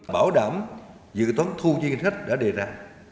bảo đảm dự toán thu chuyên khách đã đề ra